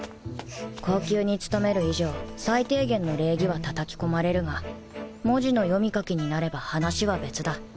後宮に勤める以上最低限の礼儀はたたき込まれるが文字の読み書きになれば話は別だ